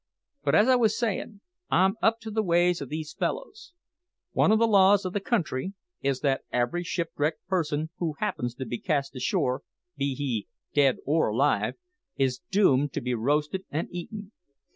But, as I was sayin', I'm up to the ways o' these fellows. One o' the laws o' the country is that every shipwrecked person who happens to be cast ashore, be he dead or alive, is doomed to be roasted and eaten.